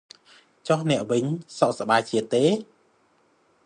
ចុះអ្នកវិញ សុខសប្បាយទេ?